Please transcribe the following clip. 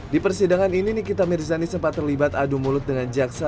di persidangan ini nikita mirzani sempat terlibat adu mulut dengan jaksa